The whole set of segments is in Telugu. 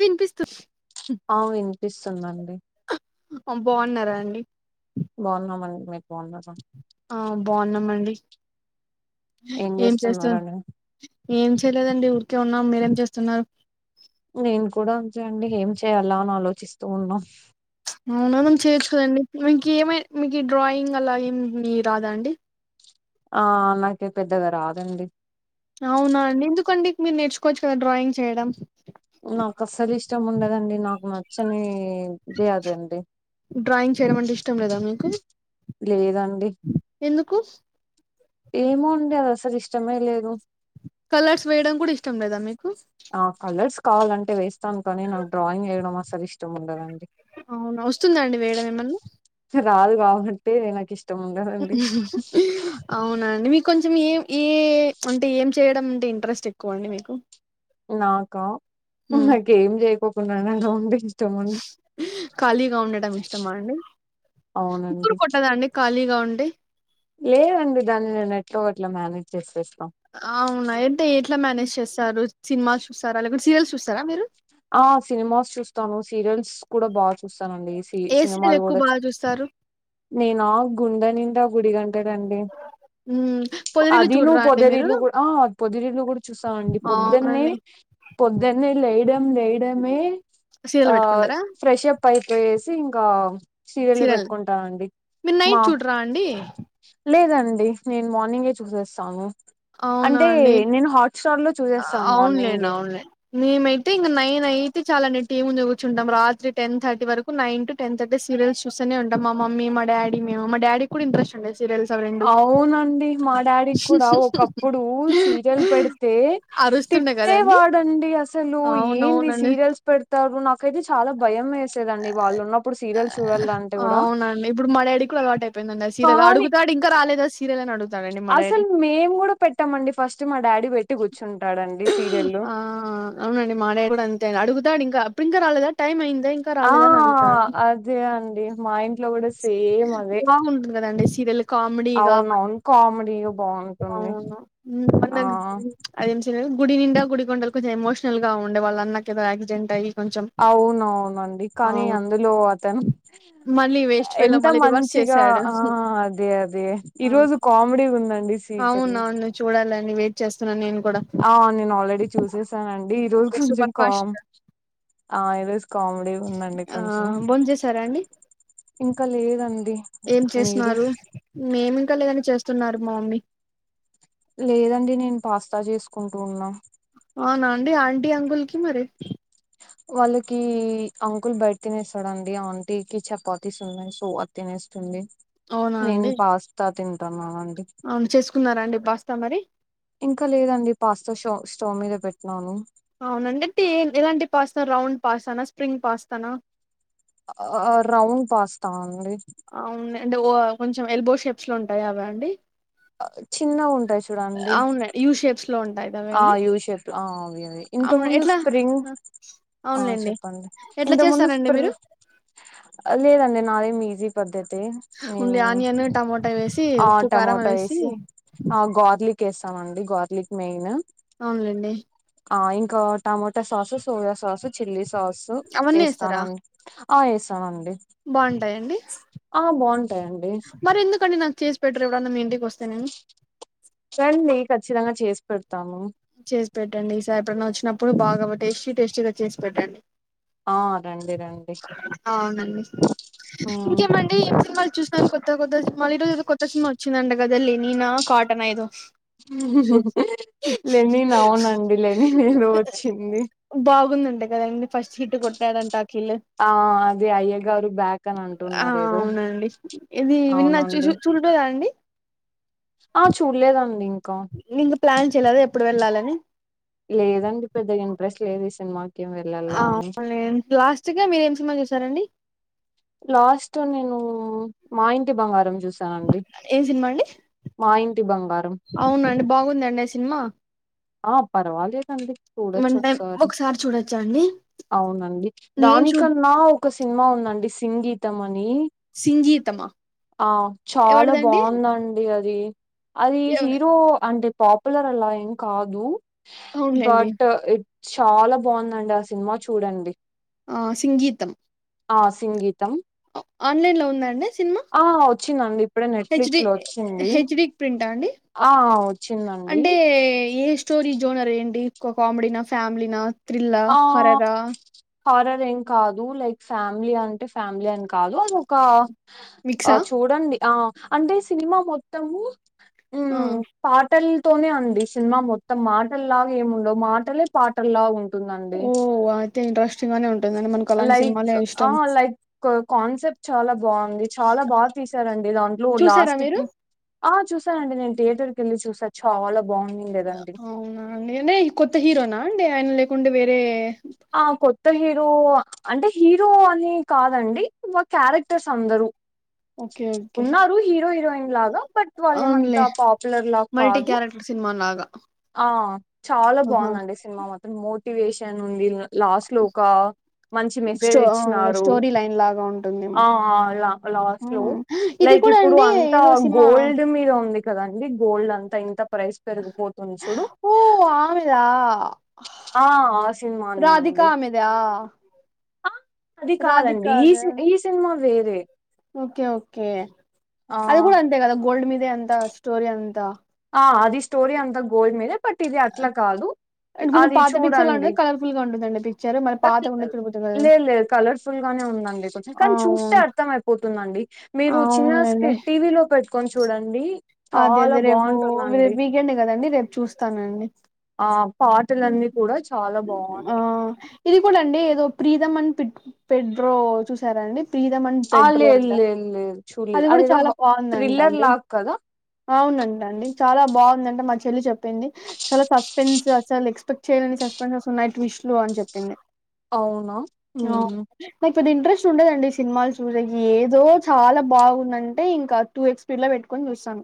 వినిపిస్తు అ వినిపిస్తుందండి బావున్నారా అండి బావున్నామండి మీరు బావున్నారా ఆ బావున్నాం అండి ఏం చేస్తు ఏం చేయలేదండి ఊరికే ఉన్నాం మీరేం చేస్తున్నారు నేను కూడా అంతే అండి ఏం చేయాలా అని ఆలోచిస్తూ ఉన్నాం అవునా ఏమైనా చేయచ్చుకదండి మీకేమై మీకి డ్రాయింగ్ అలా ఏమి రాదా అండి ఆ నాకి పెద్దగా రాదండి అవునా అండి ఎందుకండి మీరు నేర్చుకోవచ్చు కదా డ్రాయింగ్ చేయడం నాకు అస్సలు ఇష్టం ఉండదండి నాకు నచ్చనిదే అదండి డ్రాయింగ్ చేయడం అంటే ఇష్టం లేదా మీకు లేదండి ఎందుకు ఏమో అండి అది అసలు ఇష్టమే లేదు కలర్స్ వేయడం కూడా ఇష్టం లేదా మీకు ఆ కలర్స్ కావాలంటే వేస్తాను కానీ నాకు డ్రాయింగ్ వేయడం అసలు ఇష్టం ఉండదండి అవునా వస్తుందా అండి వేయడం ఏమన్నా రాదు కాబట్టే నాకు ఇష్టం ఉండదండి అవునా అండి మీకు కొంచెం ఏం ఏ అంటే ఏం చేయడం అంటే ఇంట్రెస్ట్ ఎక్కువ అండి మీకు నాకా హ్మ్. నాకేం జేయకోకుండానే అలా ఉండడం ఇష్టం అండి ఖాళీగా ఉండటం ఇష్టమా అండి బోర్ అవునండి కొట్టదా అండి ఖాళీగా ఉండి లేదండి దాన్ని నేను ఎట్లో ఒగట్లా మేనేజ్ చేసేస్తా అవునా అంటే ఎట్లా మేనేజ్ చేస్తారు సినిమాస్ చూస్తారా లేకుంటే సీరియల్స్ చూస్తారా మీరు ఆ సినిమాస్ చూస్తాను సీరియల్స్ కూడా బా చూస్తానండి ఏ సీరియల్ సినిమాలు ఎక్కువ కూడా బాగా చూస్తారు నేనా గుండె నిండా గుడిగంటలండి హ్మ్ పొదరిల్లు అదిను చూడరా అండి మీరు పొదరిల్లు గూడా ఆ పొదిరిల్లు గూడా చూస్త అండి పొద్దున్నే అవునండి పొద్దున్నే లే దెం లేయడమే సీరియల్ ఆ పెట్టుకుంటారా ఫ్రెషప్ అయిపోయేసి ఇంకా సీరియల్ లే పెట్టుకుంటానండి మీరు మా నైట్ చూడరా అండి లేదండి నేను మార్నింగే చూసేస్తాను అవునా అంటే అండి నేను హాట్స్టార్ లో చూసేస్తాను అవునులేండి మార్నింగే అవునులేండి మేమైతే ఇంగ నైన్ అయితే చాల్ అండి టీవీ ముందే కూర్చుంటాం రాత్రి టెన్ థర్టీ వరకు కు nine to ten thirty serials చూస్తనే ఉంటాం మా మమ్మీ మా డాడీ మేము మా డాడీ అవునండి మా డాడీ కూడా ఒకప్పుడు సీ యల్ పెడితే అరుస్తుండే కదండి తిట్టేవాడండి అసలు. ఏంది అవునవునండి సీరియల్స్ పెడతారు నాక్ కయితే చాలా భయం వేసేదండి వాళ్ళు ఉన్నప్పుడు సీరియల్స్ చూడల్ల అంటే కూడ. అవునండి. ఇప్పుడు మా డాడీకి కూడా అలవాటు అయిపోయిందండి ఆ సీరియల్. కానీ అడుగుతాడు ఇంకా రాలేద సీరియల్ అని అడుగుతాడండి మా డాడీ. అసలు మేము కూడ పెట్టమండి ఫస్ట్ మా డాడీ పెట్టి కూర్చుంటాడండి సీరియల్లు. ఆ అవునండి మా డాడీ కూడా అంతే అడుగుతాడు ఇంకా అప్పుడు ఇంకా రాలేదా టైం అయిన్ దే ఇంకా ఆ రాలేదా అని అడుగుతాడు? అదే అండి మా ఇంట్లో కూడా సేమ్ అదే బావుంటుంది కదండి సీరియల్? కామెడీగా అవునవును కామెడీగా బాగుంటుంది మ్ ఆ [unintelligible] అదేం సీరియల్ గుడినిండా గుడిగంటలు కొంచెం ఎమోషనల్గా ఉండే వాళ్ళ అన్నకి ఏదో ఆక్సిడెంట్ అయ్యి, కొంచెం అవునవునండి కానీ అవును అందులో అతను మళ్ళీ వేస్ట్ వేలో ఎంత మళ్ళీ రివర్స్ మంచిగా చేశాడు ఆ అదే అదే ఈరోజు అవును కామెడీగ ఉందండి సీ టీజరీ చూడల్లని వెయిట్ చేస్తున్న నేను కూడా. ఆ నేను ఆల్రెడీ చూసేసానండి. ఈరోజు కొంచెం సూపర్ ఫాస్ట్ కామ్ ఆ ఈరోజు కామెడీగ ఉందండి ఆ కొంచెం. భోంచేసారా అండి ఇంక లేదండి. ఏం మీరు చేస్తున్నారు? మేమింకా లేదండి చేస్తున్నారు మా మమ్మీ. లేదండి నేను పాస్త చేసుకుంటూ ఉన్నా. అవునా అండి ఆంటీ అంకుల్ కి మరి? వాళ్ళకి అంకుల్ బయట తినేస్తాడండి. ఆంటీకి చపాతీస్ ఉన్నాయి. సో, తినేస్తుంది. అవునా నేను అండి పాస్తా తింటన్నానండి. అవును చేసుకున్నారా అండి పాస్తా మరి ఇంకా లేదండి. పాస్తా షో స్టవ్ మీద పెట్టినాను. అవునండి? అంటే ఎలాంటి పాస్తా రౌండ్ పాస్తానా? స్ప్రింగ్ పాస్తానా? ఆ రౌండ్ పాస్తా అండి అవునా అంటే ఓ కొంచెం ఎల్బో షేప్స్ లో ఉంటాయి అవా అండి? చిన్నగ ఉంటాయి చూడండి అవును యూ షేప్స్ లో ఉంటాయి. ఆ అవన్నీ యూషేప్ లో ఆ అవి అవే ఇంత అవును ముందు ఎట్లా స్ప్రింగ్, ఆ అవునులేండి చెప్పండి. ఎట్లా ఇంత ముందు చేస్తారండి స్ప్రిల్ మీరు లేదండి నాదేం ఈజీ పద్ధతి. ఓన్లీ నేను ఆనియన్ టమోటా వేసి ఆ ఉప్పు కారం టమోట వేసి, ఆ గార్లిక్ ఏస్తామండి గార్లిక్ మెయిన్ అవునులేండి ఆ ఇంకా tomato sauce, soya sauce, chilli sauce అవన్నీ ఏస్తానండి. ఆ ఏస్తామండి. బావుంటాయ అండి? బాగుంటాయండి మరెందుకండీ నాకు చేసి పెట్టరు ఎవడన్న మీ ఇంటికొస్తే నేను? చల్ నే ఖచ్చితంగా చేసి పెడతాము. చేసి పెట్టండి ఈసారి ఎప్పుడనా వచ్చినప్పుడు బాగా టేస్టీ టేస్టీగా చేసి పెట్టండి. ఆ రండి రండి అవునండి ఉమ్ ఇంకేం అన్ అంటే ఏం సినిమాలు చూసిన కొత్త కొత్త సినిమాలు ఈ రోజు ఏదో కొత్త సినిమా వచ్చిందంట కదా! లెనిన ఆ కాటన ఏదో, లెనిన్ అవునండి లెనిన్ ఏదో వచ్చింది. బాగుందంట కదండీ ఫస్ట్ హీట్ కొట్టాడంట అఖిల్. ఆ అది అయ్యగారు బ్యాక్ అని ఆ అంటున్నారు ఏదో అవునండి ఇది విన్న అవునండి చుస్ పురుగల అండి? ఆ చూడలేదండి ఇంకా ని ఇంగ ప్లాన్ చేయలేద ఎప్పుడు వెళ్ళాలి అని? లేదండి పెద్దగ ఇంట్రెస్ట్ లేదు ఈ సిన్మాక్ అవున్లే లాస్టుగా మీరు ఏం సినిమా చూసారండి. లాస్ట్ నేను మా ఇంటి బంగారం చూసి ఆ అండి ఏం మా ఇంటి బంగారం అవునాండి బాగుందండి. ఆ సినిమా ఆ పర్వాలేదండి చూడోచ్చు వన్ టైం ఒకసారి చూడొచ్చా అండి అవునండి. నేను చూ దానికన్నా ఒక సినిమా ఉందండి. సింగీతం అని సింగీతమా ఆ చాలా ఎవరిదండి బాగుందండి. అది అది ఎవ హీరో అంటే పాపులర్ అలా ఏం కాదు అవునులేండి బట్ ఇట్ చాలా బాగుందండి. ఆ సినిమా చూడండి ఆ సింగీతం ఆ సింగీతం ఆన్లైన్ లో ఉంద అండి సినిమా ఆ వచ్చిందండి ఇప్పుడే నెట్ఫ్లిక్స్ హెచ్డి లో వచ్చింది హెచ్డి ప్రింట అండి. ఆ వచ్చిందండి అంటే ఏ స్టోరీ జోనర్ ఏంటి కామెడీనా ఫ్యామిలీనా థ్రిల్ల ఆ హరరా హారర్ ఏం కాదు లైక్ ఫ్యామిలీ అంటే ఫ్యామిలీ అని కాదు అదోక మిక్సా అంటే చూడండి. ఆ అంటే సినిమా మొత్తము ఆ మ్ పాటలతోనే అండి. సినిమా మొత్తం మాటలే పాటల్లాగా ఏముండవు మాటలే పాటలలాగా ఉం ఓ అయితే ఇంట్రెస్టింగ్ గానే ఉంటుందండి. మనకు అలాంటి లైక్ సినిమాలే ఆ ఇష్టం లైక్ కాన్సెప్ట్ చాలా బాగుంది. చాలా బాగా తీశారండి. దాంట్లో చూసారా లాస్ట్ మీరు కి ఆ చూసానండి నేను థియేటర్ కెల్లి చూస చాలా బాగుంది. అవునా అండి. అంటే కొత్త హీరోనా అండి ఆయన లేకుండే వేరే ఆ కొత్త హీరో అంటే హీరో అని కాదండి మా క్యారెక్టర్స్ అందరు ఓకే ఓకే ఉన్నారు. హీరో హీరోయిన్ లాగా బట్ వాళ్ళు అవునులే ఏమంతా పాపులర్ లా మల్టీ కాదు క్యారెక్టర్ సినిమా లాగ ఆ చాలా బాగుందండి. సినిమా మొత్తం మోటివేషన్ ఉంది. లాస్ట్ లో ఒక లాస్ట్ లో మంచి మెసేజ్ స్టో అవునులే ఇచ్చినారు. స్టోరీ లైన్ లాగా ఉంటుందేమో ఆ ఆ లాస్ట్ లో హ్మ్. ఇది లైక్ కూడా ఇప్పుడు అండి అంతా ఏదో సినిమా గోల్డ్ మీద ఉంది. కదండి గోల్డ్ అంతా ఇంత ప్రైస్ పెరిగిపోతుంది. చూడు ఓ ఆమెదా ఆ ఆ సినిమానే రాధిక అండి ఆమెదా ఆ అది రాధిక కాదండి. ఈ అద ఈ సినిమా వేరే ఓకే ఓకే ఆ అది కూడా అంతే కదా గోల్డ్ మీద అంత స్టోరి అంత ఆ అది స్టోరీ అంతా గోల్డ్ మీదే బట్ ఇది అట్లా కాదు అండ్ కొంచెం అది పాత పిక్చర్ లా చూడండి. ఉంటది కలర్ఫుల్ గా ఉంటుందండి పిక్చర్ మరి పాతగా ఉంటే చెడిపోతుంది కదా లేదు లేదు కలర్స్ ఫుల్ గానే ఉందండి. కొంచెం కానీ చూస్తే అవును అర్థమయిపోతుందండి. మీరు చిన్న అవునులేండి స్క్రీన్ టీవీలో పెట్ క్కోని చూడండి. అదే చాలా అదే రేపు బాగుంటుందండి రేపు వీకేండ్ కదండి రేపు చూస్తానండి. ఆ పాటలన్నీ కూడా చాలా ఆ బాగున్నయి ఇది కూడా అండి ఏదో ప్రీతమ్ అండ్ పెడ్రో చూసారండి ప్రీతమ్ అ లేదు లేదు లేదు చూడాలేదు. అది ఏదో థ్రిల్లర్ల కదా ఔనండండనీ చాలా బాఉందంట మా చెల్లి చెప్పింది హ్ చాలా సస్ పెన్స్ అస్సల్ ఎక్స్ పేక్స్ చేయ్ లేనీ సస్ పెన్ జెస్ ఉన్నాయి ట్విస్ట్ లు అన్ జేప్పింది ఔనా ఉహుమ్ నాక్ పెద్ద ఇంట్రెస్ట్ ఉండదండి సిన్ మాల్ చూడేకి ఏదో చాలా బాఉందంటే ఇంకా టూ ఎక్స్ స్పీడ్ల బెట్ కొన్ జూస్తాం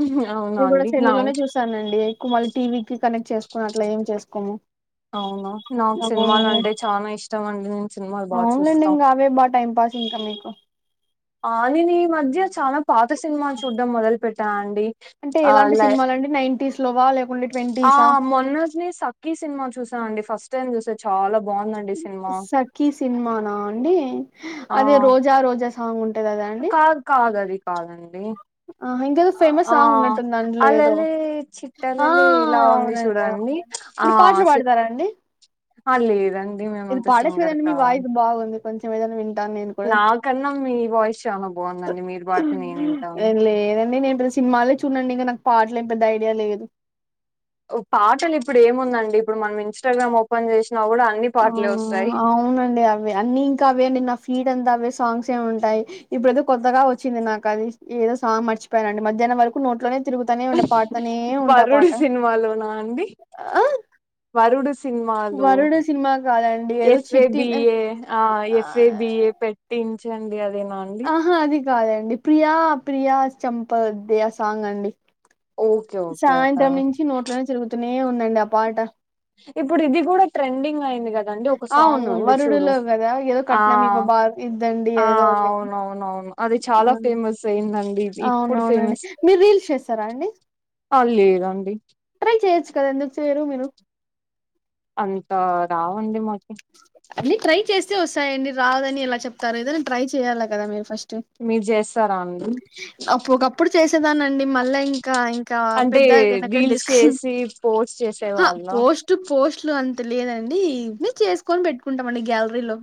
ఉహ్ ఔ అది గూడా సెల్లులోనే చూసానండి ఎక్కు మళ్ళీ టీవీకి కనెక్ట్ చేసుకున్ అట్లా ఏం చేసుకోము ఔనా నాన్ సిన్ మాలు అవును అంటే చానా ఇష్టమండి నేన్ సిన్ మాల్ బా చు దన్ డింగ్ అవే మా టైమ్ పాస్ ఇంక మే ఆనిని ఈ మధ్య చానా పాత సిన్ మాల్ చూడ్డం మొదల్ పెట్టా అండి అంటే ఆ ఎలాంటి లై సినిమాలు అండి నైన్టీస్ లోవా లేకుంటే ఆ ట్వంటీసా మోనస్నీ సక్ కీ సిన్ మా చూసాఅండి ఫస్ట్ టైం జూసే చాలా బావుందన్ అండ్ సఖీ సిన్ మానా అండి అదే రోజా రోజా సాంగ్ ఉంటది అదాండ్ కాద్ కాద్ కాద్ అది కాదండి ఆ ఇంకేదో ఫేమస్ ఆ సాంగున్నటుంది అంద్లో ఏదో అలలే ఆ చిట్టలలే ఇలా ఉంది ఔనండ్ ఔన్ చూడండి మీర్ పాట్ల్ పాడతారండి హ లేదన్డ్ ఇదు పడొచ్చుగదండి మీ వాయిస్ బాఉంది కొంచమ్ ఏదన్న విన్ టన్ నేన్ కూడ నాకన్నా మీ వాయిస్ చాలా బాగుందండి మీరు ఉహ్ పాడితే నేను ఉమ్ వింటాను ఏ లేదండి నేన్ రీస్ సిన్ మాలే చూడ్ నండి ఇగ నాక్ పాట్ లేపే దైర్యం లేదు ఓ పాటలిప్పుడు ఏముందండి ఇప్పుడు మనం ఇన్ స్ట్రాగ్రామ్ ఓపెన్ జేష్నా గూడా అన్ ఆ అ ఔనండి అవె అన్ని ఇంకా అవే అండి నా ఫీడ్ అంతా అవే సాంగ్స్ ఏ ఉంటాయ్ ఇప్పుడు ఏదో కొత్తగాఓచ్చింది నాక్ అది ఏదో సా మర్చిప్యనండి మద్యన్నాం వర్క్ నోట్లోనె ఆహ్ హ్ వరుడు సిన్ మాలోనా అండి ఆ వరుడు సిన్ మాలో వరుడు సినిమా కాదండి ఏదో చిట్టి ఎఫ్ఏబిఏ ఆ ఎఫ్ఏబిఏ పెట్టించండి అదే నాన్ ఆహా అది గాదండి ప్రియా ప్రియా చంపొద్దె ఆ సాంగాండి ఓకే ఓకే అత సాయంత్రం నుంచి నోట్లోనె తిరుగుతూనే ఉందండి ఆ పాట ఇప్పుడు ఇది గూడ ట్రెండింగ్ ఐయింది గద్ రండు ఒక అవును సాంగుంది చూడు వరుడులో కదా ఏదో ఆ కట్నం ఇవ్వ బా ఇద్దండి ఆ ఏదో ఉంది ఔనౌనౌనౌనౌవును అది చాలా ఆ ఫేమస్ ఐదండి ఇద్ ఇప్పుడు అవునవునండి ఫేమస్ మీరు రీల్స్ చేస్తారా అండి ఆ లేదండి ట్రై చేయొచ్చు కదా ఎందుకు చేయ్ రు మీరు అంత రావండి మాకు అన్నీ ట్రై చేస్తే ఓస్సయండి రాదని ఎలా చెప్తారు ఏదైన ట్రై చెయాలా గదా మీరు ఫస్టు మీర్ జేస్తారా అండ్ అప్పుఓకప్పుడు చేసేదానండి మళ్ళా ఇంకా ఇంకా పెద్దగైనేక డిస్ క్యూమ్ సి పోస్ట్ చేసే వాళ్ళం టు పోస్ట్లు అంత లేదండి ఈ ఉక్ నే చేసుకొన్ బెట్టుకుంటామండి గ్యాల్రీలో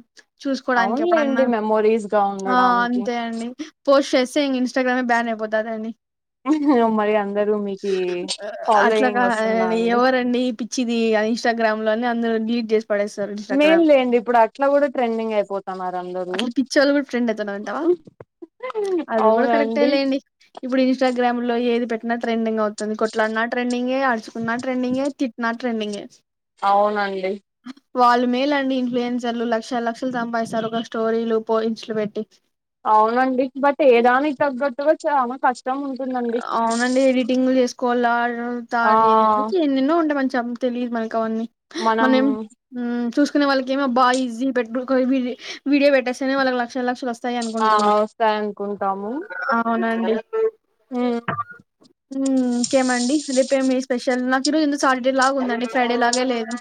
చూస్ కోడాన్ కి ఎప్పుడన్నా అవునులేండి మెమోరీస్ గా ఆ ఉండడానికి అంతే అండి పోస్ట్ చేస్తే ఇంగ్ ఇన్ స్టగ్రామే బ్యాన్ ఐపోతాదండి మరి అందరూ మీకి ఓ ఫాలోయింగ్ వస్తుందా అట్లాగాదండి అండి ఎవరండి పిత్ చ్చిది అన్ ఇంస్టాగ్రామ్ లోనే అందరు డిలీట్ జేస్ పడేసారు మేన్ లేండి ఇప్పుడ్ అట్లా గడ ట్రెండింగ్ అయిపోతన్నారు అందరు అట్లా పిచ్చోళ్ళు కూడా ఫ్రెండ్ అయితనంటా అది గడ కరెక్టే అవునండి లేండి ఇప్పుడు ఇన్స్టాగ్రామ్ లో ఏది పెట్టినా ట్రెండింగ్ అవుతుంది కొట్లాడిన ట్రెండింగే అరుచుకున్నా ట్రెండింగే తి నా ట్రెండింగే అవునండి వాళ్ళు మేలండి ఇన్ఫ్లుయెన్సర్లు లక్షల లక్షలు సంపాదిసారు ఒక స్టోరీలు పోయిస్ట్లు పెట్టి ఆవునండి ఆవునండి ఎడిటింగ్లు చేసుకోవాలారు ఆ థర్డ్ ఏద్ ఎన్నెన్నొ మంచిగ తెలీదు మనకి అవన్నీ మనం మనేం మ్ చూసుకున్న వాళ్ళకి ఏమో బా ఈజీ పెట్టు వీడియో పెట్టేస్తేనే వాళ్ళకి లక్షల్ లక్షల్ వస్త వస్తాయి ఆ అనుకుంటాం మన వస్తాయనుకుంటాము అవునండి మ్ మ్ ఇంకేమండి రేపే మీ స్పెషల్ నాకు ఈరోజ్ సాటర్డే లాగా ఉందండి ఫ్రైడే లాగే లేదు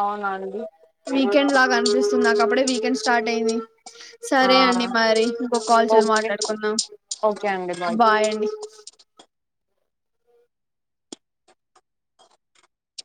అవునా అండి వీకెండ్ లాగా అనిపిస్తుంది నాక్ అప్పుడే వీకెండ్ స్టార్ట్ అయింది ఆ సరే అండి మరి ఇంకొ కాల్ చే ఓకే మాట్లాడుకుందాం ఓకే అండి మ బాయండి